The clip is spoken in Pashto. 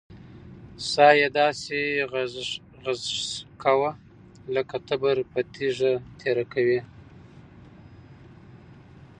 سا يې داسې غژس کوه لک تبر په تيږه تېره کوې.